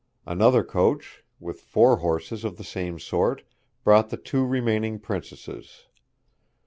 Another coach, with four horses of the same sort, brought the two remaining princesses.